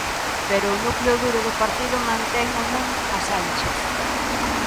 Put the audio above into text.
Pero o núcleo duro do partido mantén o non a Sánchez...